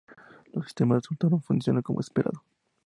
Los sistemas resultaron funcionar como esperado.